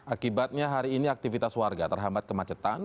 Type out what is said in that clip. akibatnya hari ini aktivitas warga terhambat kemacetan